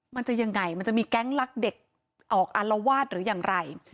มันจะยังไงมันจะมีแก๊งลักเด็กออกอารวาสหรืออย่างไร